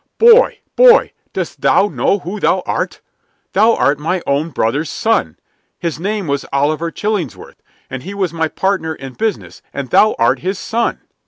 Boy! boy! dost thou know who thou art? Thou art my own brother's son. His name was Oliver Chillingsworth, and he was my partner in business, and thou art his son."